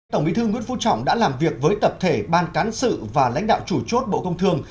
tổng bí thư nguyễn phú trọng đã làm việc với tập thể ban cán sự và lãnh đạo chủ chốt bộ công thương